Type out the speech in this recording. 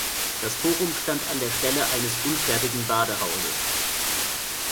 Das Forum stand an der Stelle eines unfertigen Badehauses.